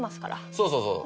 そうそうそう。